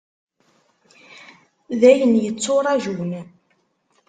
D ayen yetturajun.